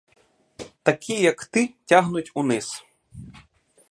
Такі, як ти, тягнуть униз.